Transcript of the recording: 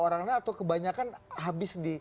orang lain atau kebanyakan habis di